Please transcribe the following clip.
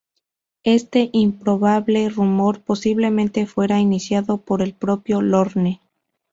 Este improbable rumor posiblemente fuera iniciado por el propio Lorne.